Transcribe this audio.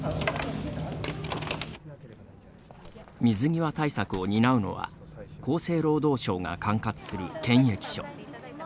水際対策を担うのは厚生労働省が管轄する検疫所。